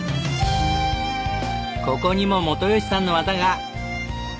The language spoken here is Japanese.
ここにも元吉さんの技が！